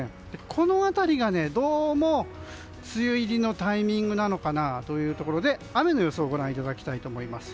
この辺りがどうも梅雨入りのタイミングなのかというところで雨の予想ご覧いただきたいと思います。